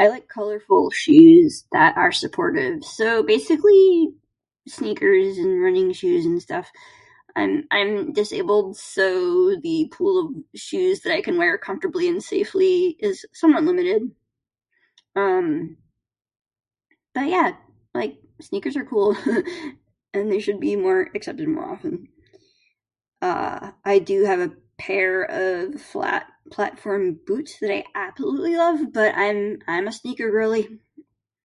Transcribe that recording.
I like colorful shoes that are supportive, so basically sneakers and running shoes and stuff. I'm I'm disabled so the pool of shoes that I can wear comfortably and safely is somewhat limited. Um, but yeah, like, sneakers are cool and they should be more accepted more often. Uh, I do have a pair of flat platform boots that I absolutely love, but I'm I'm a sneaker girly.